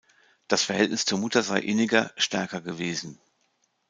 Das Verhältnis zur Mutter sei inniger, stärker gewesen.